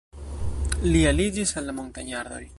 Li aliĝis al la "Montagnard"-oj.